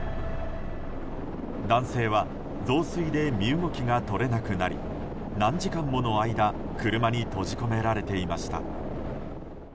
男性は増水で身動きが取れなくなり何時間もの間車に閉じ込められていました。